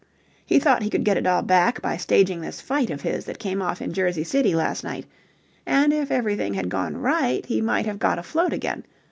He thought he could get it all back by staging this fight of his that came off in Jersey City last night. And if everything had gone right he might have got afloat again.